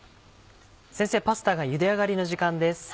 先生パスタがゆで上がりの時間です。